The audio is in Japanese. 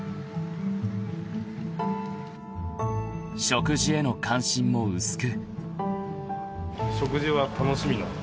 ［食事への関心も薄く］